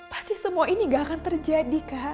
pasti semua ini gak akan terjadi kan